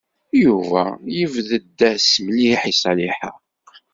Yuba yebded-as mliḥ i Ṣaliḥa.